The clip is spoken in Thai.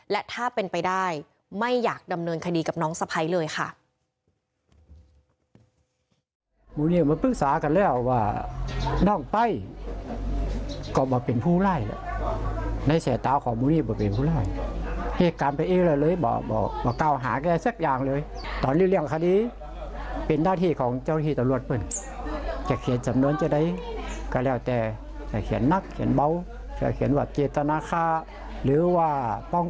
และถ้าเป็นไปได้ไม่อยากดำเนินคดีกับน้องสะพ้ายเลยค่ะ